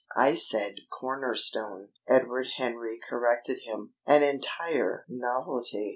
I said corner stone," Edward Henry corrected him. "An entire novelty!